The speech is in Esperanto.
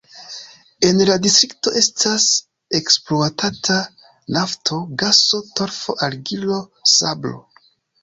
En la distrikto estas ekspluatata nafto, gaso, torfo, argilo, sablo.